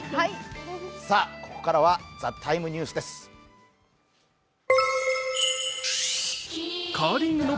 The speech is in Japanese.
ここからは「ＴＨＥＴＩＭＥ，ニュース」です。